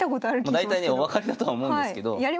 大体ねお分かりだとは思うんですけど。